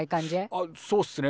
あっそうっすね。